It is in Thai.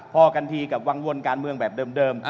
พอกันทีกับวังวนการเมืองแบบเดิม